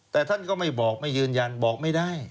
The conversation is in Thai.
แต่ท่านก็ไม่บอกไม่ยืนยันบอกไม่ได้